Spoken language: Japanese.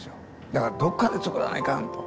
だからどっかで作らないかんと。